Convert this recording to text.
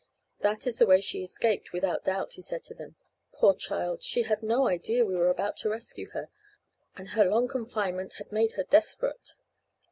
"That is the way she escaped, without doubt," he said to them. "Poor child, she had no idea we were about to rescue her, and her long confinement had made her desperate."